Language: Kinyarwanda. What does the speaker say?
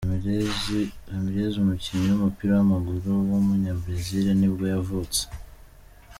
Ramires, umukinnyi w’umupira w’amaguru w’umunyabrazil nibwo yavutse.